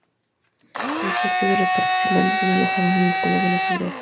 Dos tercios de los participantes son alojados en las escuelas de las aldeas.